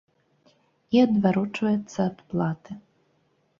І адварочваецца ад платы.